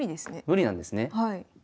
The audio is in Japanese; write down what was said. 無理なんですね。